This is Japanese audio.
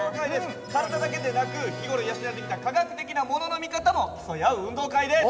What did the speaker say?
体だけでなく日頃養ってきた科学的なものの見方も競い合う運動会です！